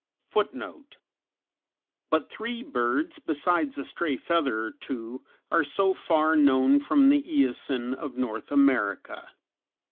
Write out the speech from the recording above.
_But three birds, besides a stray feather or two, are so far known from the Eocene of North America.